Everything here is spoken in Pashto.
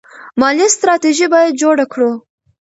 مالي ستراتیژي باید جوړه کړو.